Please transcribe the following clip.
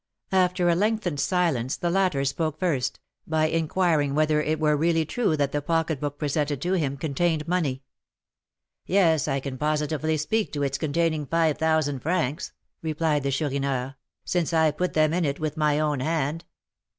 After a lengthened silence the latter spoke first, by inquiring whether it were really true that the pocketbook presented to him contained money. "Yes, I can positively speak to its containing five thousand francs," replied the Chourineur, "since I put them in it with my own hand.